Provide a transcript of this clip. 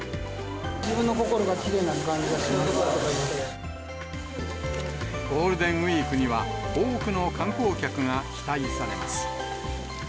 自分の心がきれいになるようゴールデンウィークには、多くの観光客が期待されます。